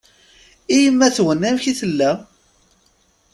I yemma-twen amek i tella?